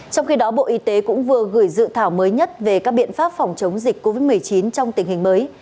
trong khi đó bộ y tế cũng vừa gửi dự thảo mới nhất về các biện pháp phòng chống dịch covid một mươi chín trong tình hình mới